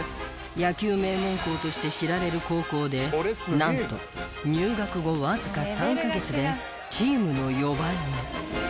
野球名門校として知られる高校でなんと入学後わずか３カ月でチームの４番に。